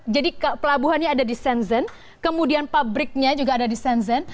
jadi pelabuhannya ada di shenzhen kemudian pabriknya juga ada di shenzhen